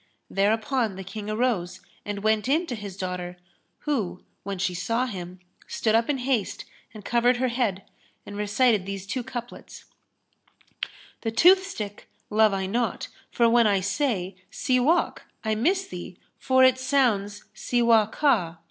Thereupon the King arose and went in to his daughter who, when she saw him, stood up in haste and covered her head,[FN#303] and recited these two couplets, "The toothstick love I not; for when I say, * 'Siwák,'[FN#304] I miss thee, for it sounds 'Siwá ka'.